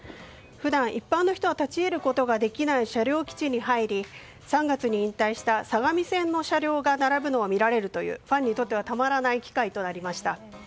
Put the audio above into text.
普段、一般の人は立ち入ることができない車両基地に入り３月に引退した相模線の車両が見られるというファンにとってはたまらない機会となりました。